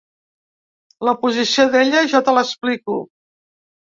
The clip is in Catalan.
La posició d’ella jo te l’explico.